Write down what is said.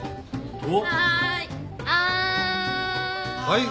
はい。